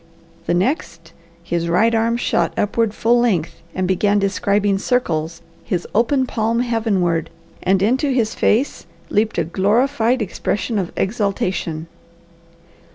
The next his right arm shot upward full length, and began describing circles, his open palm heavenward, and into his face leapt a glorified expression of exultation.